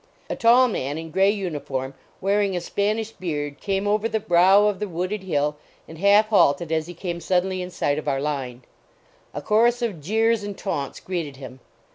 A tall man in gray uniform, wearing a Spanish beard, came over the brow of the wooded hill, and half halted as he came sud denly in sight of our line. A chorus of jeers and taunts greeted him.